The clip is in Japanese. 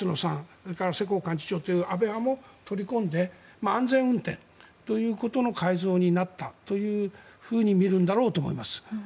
それから世耕幹事長という安倍派も取り込んで安全運転ということの改造になったというふうに見るんだろうと思います。